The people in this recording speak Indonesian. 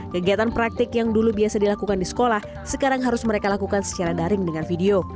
kegiatan praktik yang dulu biasa dilakukan di sekolah sekarang harus mereka lakukan secara daring dengan video